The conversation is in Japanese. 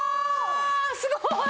すごい！